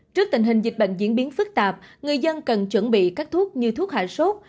trước tình hình dịch bệnh diễn biến phức tạp người dân cần chuẩn bị các thuốc như thuốc hạ sốt